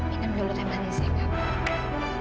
minum dulu temanan saya kak